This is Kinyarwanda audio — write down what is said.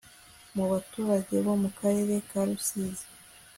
mubaturage bo mukarere ka rusizi